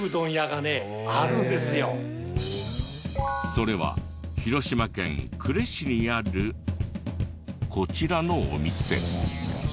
それは広島県呉市にあるこちらのお店。